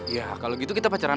ya kalau gitu kita pacaran